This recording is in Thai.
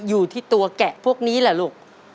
อยู่ที่ตัวแกะพวกนี้เหรอลูก